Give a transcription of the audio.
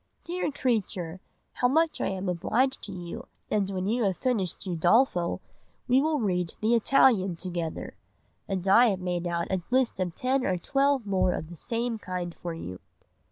"'Dear creature! How much I am obliged to you; and when you have finished Udolpho we will read the Italian together; and I have made out a list of ten or twelve more of the same kind for you.